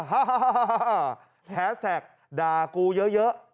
ฮ่าแฮสแท็กด่ากูเยอะ